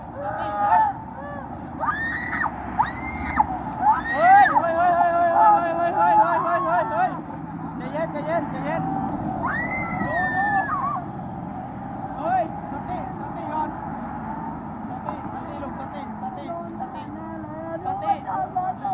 เป็นไงบ้างเป็นไงบ้าง